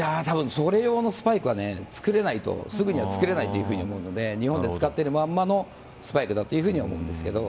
それ用のスパイクはすぐには作れないと思うので日本で使っているまんまのスパイクだと思うんですけど。